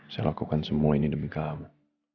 saya lakukan semua ini demi kamu